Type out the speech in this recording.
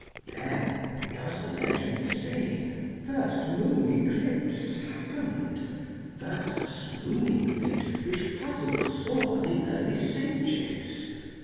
Then does the legend say? first moon eclipse Happened, first swooning fit which puzzled sore The early sages?